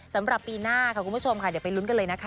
สำหรับปีหน้าค่ะคุณผู้ชมค่ะเดี๋ยวไปลุ้นกันเลยนะคะ